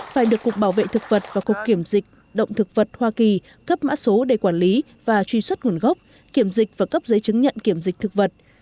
phải được cục bảo vệ thực vật và cục kiểm dịch động thực vật hoa kỳ cấp mã số để quản lý và truy xuất nguồn gốc kiểm dịch và cấp giấy chứng nhận kiểm dịch thực vật